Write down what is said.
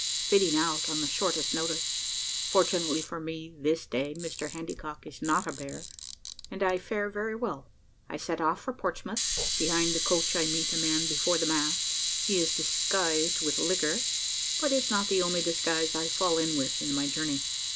FITTING OUT ON THE SHORTEST NOTICE FORTUNATELY FOR ME THIS DAY MR. HANDYCOCK IS NOT A BEAR, AND I FARE VERY WELL I SET OFF FOR PORTSMOUTH BEHIND THE COACH I MEET A MAN BEFORE THE MAST HE IS DISGUISED WITH LIQUOR, BUT IS NOT THE ONLY DISGUISE I FALL IN WITH IN MY JOURNEY.